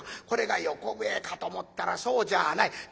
これが横笛かと思ったらそうじゃあない。